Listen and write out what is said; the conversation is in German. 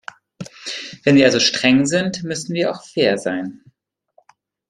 Wenn wir also streng sind, müssen wir auch fair sein.